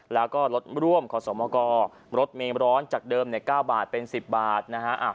แล้วก็รถร่วมขอสมกรรถเมร้อนจากเดิม๙บาทเป็น๑๐บาทนะฮะ